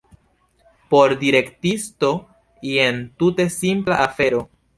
Por direktisto jen tute simpla afero.